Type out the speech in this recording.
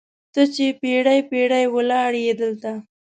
ته چې پیړۍ، پیړۍ ولاړیې دلته